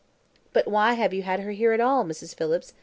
"But why have you her here at all, Mrs. Phillips?"